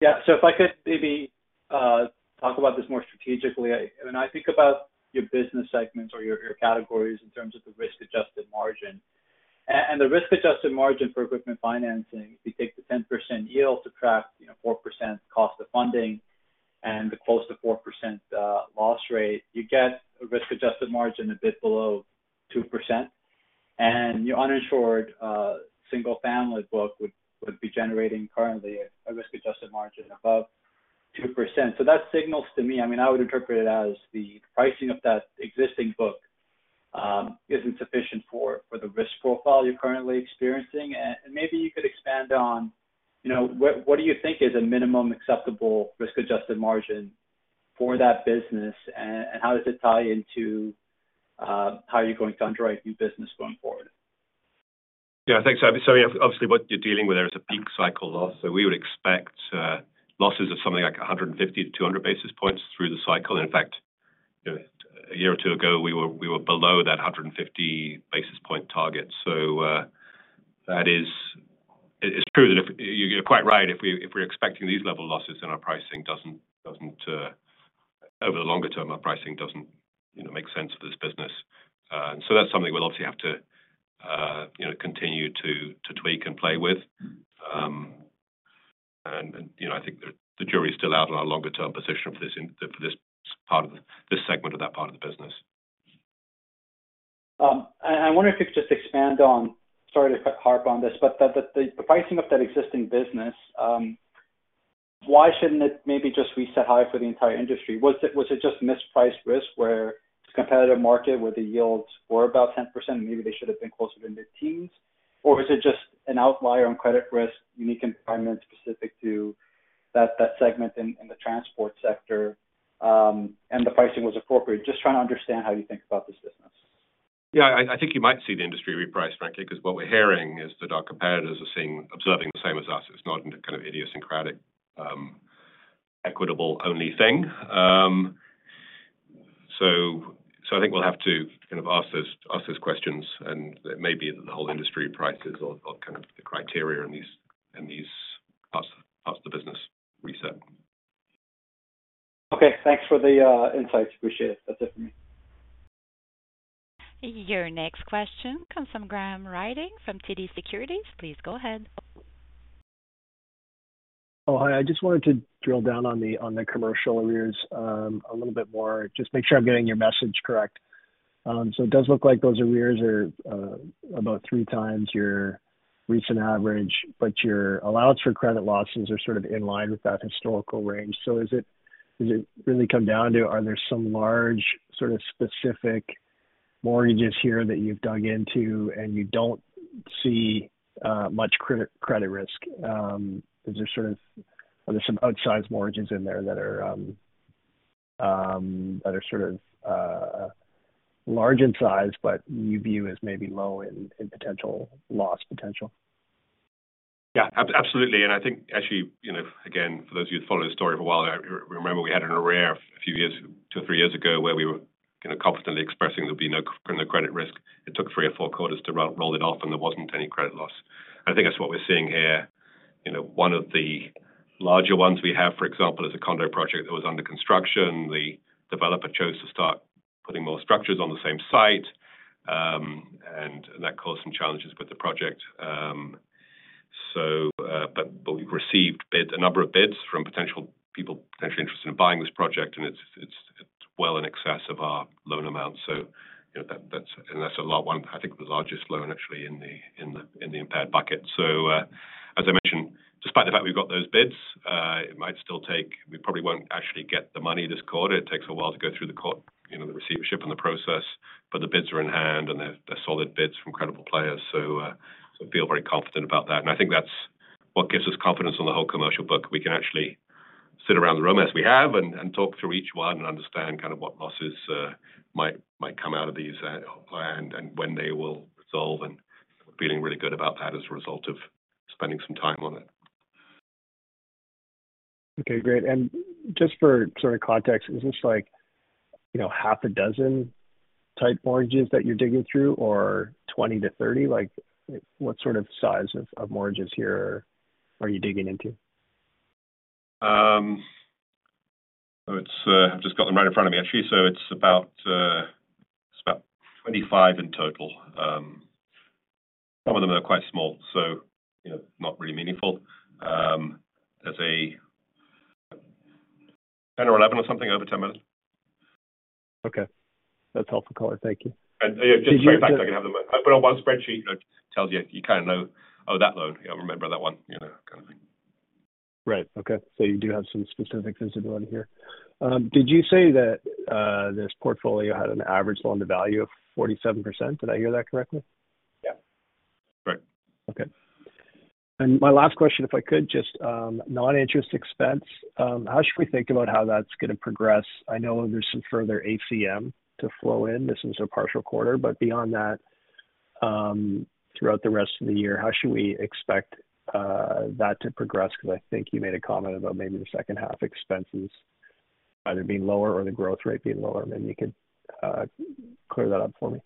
Yeah. So if I could maybe talk about this more strategically. When I think about your business segments or your, your categories in terms of the risk-adjusted margin. And the risk-adjusted margin for equipment financing, if you take the 10% yield, subtract, you know, 4% cost of funding and the close to 4% loss rate, you get a risk-adjusted margin a bit below 2%. And your uninsured single-family book would be generating currently a risk-adjusted margin above 2%. So that signals to me, I mean, I would interpret it as the pricing of that existing book isn't sufficient for the risk profile you're currently experiencing. And maybe you could expand on, you know, what do you think is a minimum acceptable risk-adjusted margin for that business, and how does it tie into how you're going to underwrite new business going forward? Yeah, I think so. So obviously what you're dealing with there is a peak cycle loss. So we would expect losses of something like 150-200 basis points through the cycle. In fact, you know, a year or two ago, we were below that 150 basis point target. So that is... It's true that if you're quite right, if we're expecting these level of losses, then our pricing doesn't over the longer term, our pricing doesn't, you know, make sense for this business. So that's something we'll obviously have to, you know, continue to tweak and play with. And, you know, I think the jury is still out on our longer-term position for this in, for this part of this segment of that part of the business. And I wonder if you could just expand on... Sorry to kind of harp on this, but the pricing of that existing business, why shouldn't it maybe just reset higher for the entire industry? Was it just mispriced risk, where competitive market, where the yields were about 10%, maybe they should have been closer to mid-teens? Or was it just an outlier on credit risk, unique environment specific to that segment in the transport sector, and the pricing was appropriate? Just trying to understand how you think about this business.... Yeah, I think you might see the industry reprice, frankly, because what we're hearing is that our competitors are seeing, observing the same as us. It's not kind of idiosyncratic, Equitable only thing. So, I think we'll have to kind of ask those questions, and it may be that the whole industry prices or kind of the criteria in these parts of the business reset. Okay, thanks for the insights. Appreciate it. That's it for me. Your next question comes from Graham Ryding from TD Securities. Please go ahead. Oh, hi. I just wanted to drill down on the commercial arrears a little bit more, just make sure I'm getting your message correct. So it does look like those arrears are about three times your recent average, but your allowance for credit losses are sort of in line with that historical range. So is it, does it really come down to, are there some large sort of specific mortgages here that you've dug into and you don't see much credit risk? Is there sort of are there some outsized mortgages in there that are sort of large in size, but you view as maybe low in potential loss potential? Yeah, absolutely. And I think actually, you know, again, for those of you who follow the story for a while, I remember we had arrears a few years, two or three years ago, where we were, you know, confidently expressing there'd be no credit risk. It took three or four quarters to roll it off, and there wasn't any credit loss. I think that's what we're seeing here. You know, one of the larger ones we have, for example, is a condo project that was under construction. The developer chose to start putting more structures on the same site, and that caused some challenges with the project. But we've received bids, a number of bids from potential people potentially interested in buying this project, and it's well in excess of our loan amount. So, you know, that's a lot. One—I think the largest loan actually in the impaired bucket. So, as I mentioned, despite the fact we've got those bids, it might still take... We probably won't actually get the money this quarter. It takes a while to go through the court, you know, the receivership and the process, but the bids are in hand, and they're solid bids from credible players. So, so feel very confident about that. And I think that's what gives us confidence on the whole commercial book. We can actually sit around the room as we have and talk through each one and understand kind of what losses might come out of these and when they will resolve, and feeling really good about that as a result of spending some time on it. Okay, great. And just for sort of context, is this like, you know, half a dozen type mortgages that you're digging through, or 20-30? Like, what sort of size of mortgages here are you digging into? So it's, I've just got them right in front of me, actually. So it's about 25 in total. Some of them are quite small, so, you know, not really meaningful. There's 10 or 11 or something over 10 million. Okay. That's helpful, color. Thank you. Just so I can have them, I put on one spreadsheet, you know, tells you, you kind of know, oh, that loan. I remember that one, you know, kind of thing. Right. Okay. So you do have some specific visibility here. Did you say that this portfolio had an average loan-to-value of 47%? Did I hear that correctly? Yeah. Right. Okay. And my last question, if I could, just non-interest expense. How should we think about how that's gonna progress? I know there's some further ACM to flow in. This is a partial quarter, but beyond that, throughout the rest of the year, how should we expect that to progress? Because I think you made a comment about maybe the second half expenses either being lower or the growth rate being lower. Maybe you could clear that up for me.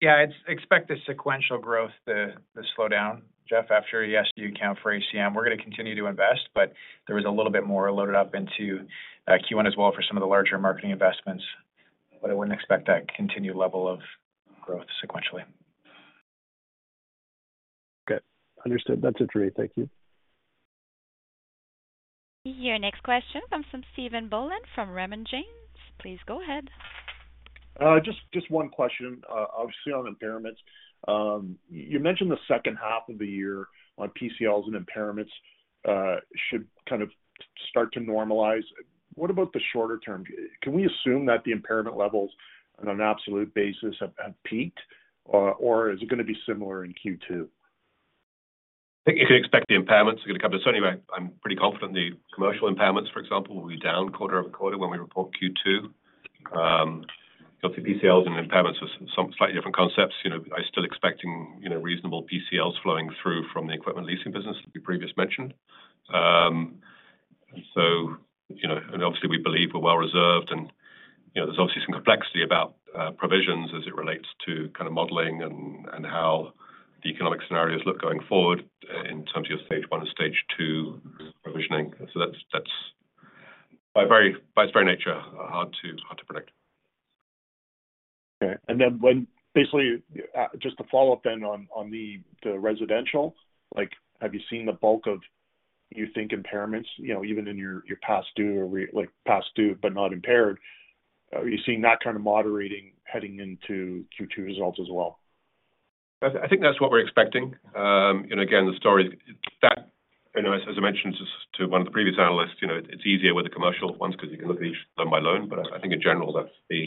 Yeah, I'd expect the sequential growth to slow down, Jeff, after yes, you account for ACM. We're gonna continue to invest, but there is a little bit more loaded up into Q1 as well for some of the larger marketing investments. But I wouldn't expect that continued level of growth sequentially. Okay, understood. That's it, great. Thank you. Your next question comes from Stephen Boland, from Raymond James. Please go ahead. Just, just one question, obviously on impairments. You mentioned the second half of the year on PCLs and impairments, should kind of start to normalize. What about the shorter term? Can we assume that the impairment levels on an absolute basis have peaked, or is it gonna be similar in Q2? I think you can expect the impairments are going to come certainly back. I'm pretty confident the commercial impairments, for example, will be down quarter-over-quarter when we report Q2. Obviously, PCLs and impairments are some slightly different concepts. You know, I'm still expecting, you know, reasonable PCLs flowing through from the Equipment Leasing business that we previously mentioned. So you know, and obviously we believe we're well reserved and, you know, there's obviously some complexity about provisions as it relates to kind of modeling and, and how the economic scenarios look going forward in terms of your Stage One and Stage Two provisioning. So that's, that's by very, by its very nature, hard to, hard to predict. Okay. And then when... Basically, just to follow up then on, on the, the residential, like, have you seen the bulk of you think impairments, you know, even in your, your past due or re- like past due, but not impaired? Are you seeing that kind of moderating heading into Q2 results as well? I think that's what we're expecting. And again, the story that, you know, as I mentioned to one of the previous analysts, you know, it's easier with the commercial ones because you can look at each loan by loan, but I think in general, that's the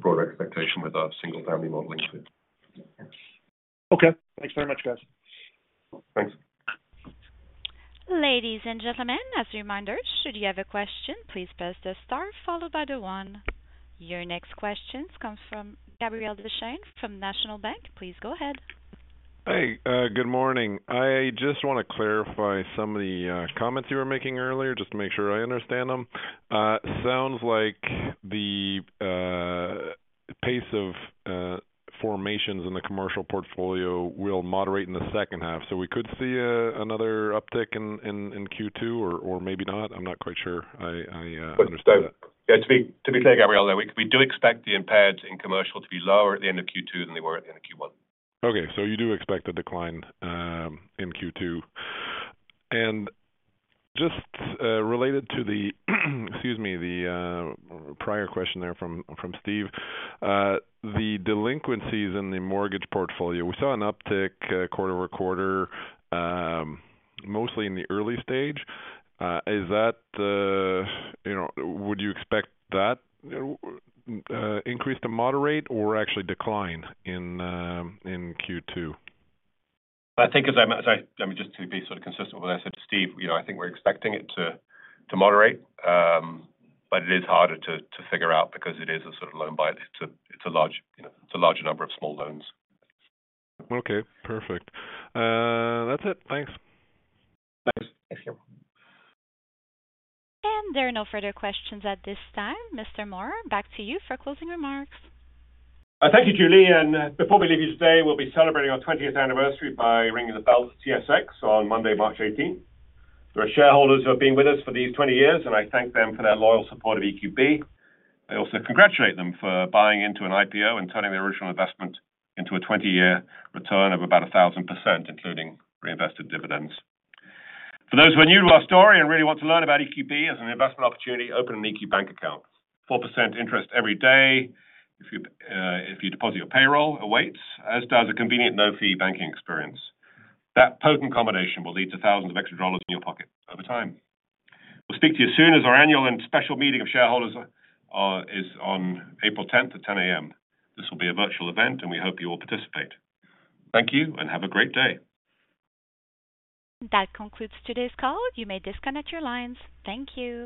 broad expectation with our single family modeling too. Okay. Thanks very much, guys. Thanks. Ladies and gentlemen, as a reminder, should you have a question, please press the star followed by the one. Your next question comes from Gabrielle Deschênes from National Bank. Please go ahead. Hey, good morning. I just want to clarify some of the comments you were making earlier, just to make sure I understand them. Sounds like the pace of formations in the commercial portfolio will moderate in the second half. So we could see another uptick in Q2 or maybe not? I'm not quite sure I understand that. Yeah, to be clear, Gabrielle, that we do expect the impairments in commercial to be lower at the end of Q2 than they were at the end of Q1. Okay. So you do expect a decline in Q2. And just related to the, excuse me, the prior question there from Steve, the delinquencies in the mortgage portfolio, we saw an uptick quarter-over-quarter, mostly in the early stage. Is that you know... Would you expect that increase to moderate or actually decline in Q2? I think-- Sorry, let me just to be sort of consistent with what I said to Steve. You know, I think we're expecting it to moderate, but it is harder to figure out because it is a sort of loan by... It's a large, you know, it's a large number of small loans. Okay, perfect. That's it. Thanks. Thanks. There are no further questions at this time. Mr. Moor, back to you for closing remarks. Thank you, Julie. Before we leave you today, we'll be celebrating our 20th anniversary by ringing the bell at TSX on Monday, March 18th. There are shareholders who have been with us for these 20 years, and I thank them for their loyal support of EQB. I also congratulate them for buying into an IPO and turning their original investment into a 20-year return of about 1,000%, including reinvested dividends. For those who are new to our story and really want to learn about EQB as an investment opportunity, open an EQ Bank account. 4% interest every day, if you deposit your payroll, awaits, as does a convenient no-fee banking experience. That potent combination will lead to thousands of extra CAD in your pocket over time. We'll speak to you as soon as our annual and special meeting of shareholders is on April 10 at 10 A.M. This will be a virtual event, and we hope you all participate. Thank you, and have a great day. That concludes today's call. You may disconnect your lines. Thank you.